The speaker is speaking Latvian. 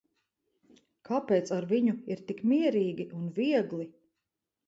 Kāpēc ar viņu ir tik mierīgi un viegli?